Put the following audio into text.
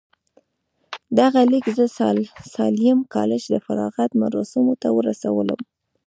دغه ليک زه د ساليم کالج د فراغت مراسمو ته ورسولم.